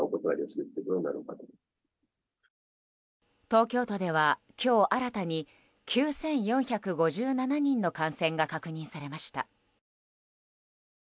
東京都では今日新たに９４５７人の感染が確認されました。